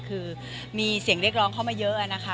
คือมีเสียงเรียกร้องเข้ามาเยอะนะคะ